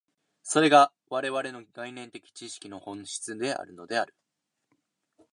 それが我々の概念的知識の本質であるのである。